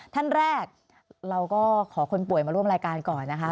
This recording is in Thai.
ท่านแรกเราก็ขอคนป่วยมาร่วมรายการก่อนนะคะ